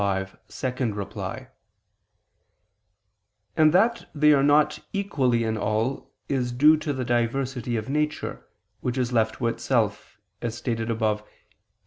5, ad 2): and that they are not equally in all, is due to the diversity of nature, which is left to itself, as stated above (Q.